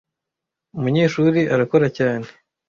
munyeshuri arakora cyane.